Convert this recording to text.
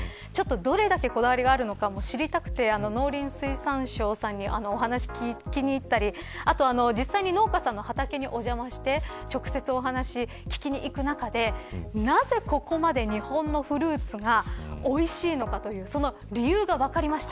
どれだけ、こだわりがあるのか知りたくて農林水産省さんにお話を聞きに行ったり実際に農家さんの畑にお邪魔して直接お話を聞きに行く中でなぜ、ここまで日本のフルーツがおいしいのかというその理由が分かりました。